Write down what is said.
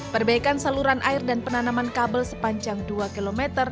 perbaikan saluran air dan penanaman kabel sepanjang dua km